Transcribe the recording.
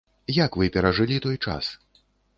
Як вы перажылі той час?